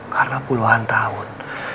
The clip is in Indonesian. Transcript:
karena puluhan tahun